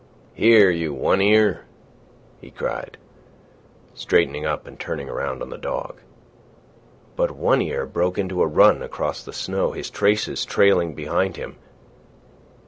"Here, you, One Ear!" he cried, straightening up and turning around on the dog. But One Ear broke into a run across the snow, his traces trailing behind him.